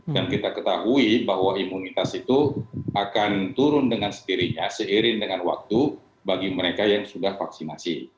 dan kita ketahui bahwa imunitas itu akan turun dengan setirinya seiring dengan waktu bagi mereka yang sudah vaksinasi